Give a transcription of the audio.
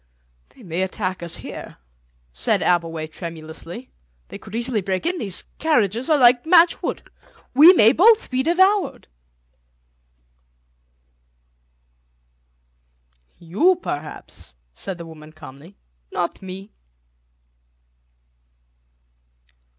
"They may attack us here," said Abbleway tremulously; "they could easily break in, these carriages are like matchwood. We may both be devoured." "You, perhaps," said the woman calmly; "not me."